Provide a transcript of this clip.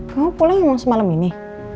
kamu boleh emang semalam ini